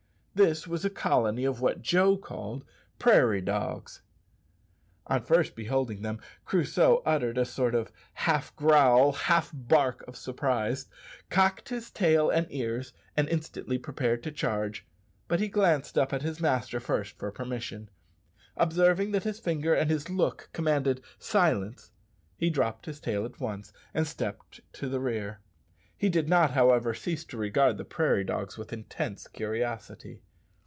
This was a colony of what Joe called "prairie dogs." On first beholding them Crusoe uttered a sort of half growl, half bark of surprise, cocked his tail and ears, and instantly prepared to charge; but he glanced up at his master first for permission. Observing that his finger and his look commanded "silence," he dropped his tail at once and stepped to the rear. He did not, however, cease to regard the prairie dogs with intense curiosity.